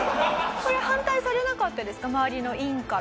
これ反対されなかったですか？